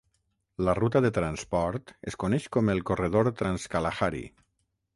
La ruta de transport es coneix com el corredor Trans-Kalahari.